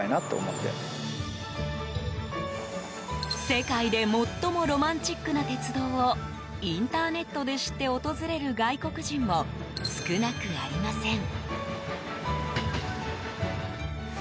世界で最もロマンチックな鉄道をインターネットで知って訪れる外国人も少なくありません。